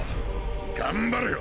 頑張れよ！